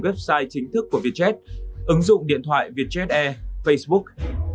vietjet mở bán trên website chính thức của vietjet ứng dụng điện thoại vietjet air facebook